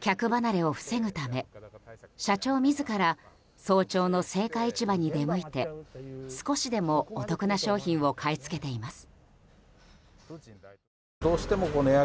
客離れを防ぐため、社長自ら早朝の青果市場に出向いて少しでもお得な商品を買い付けています。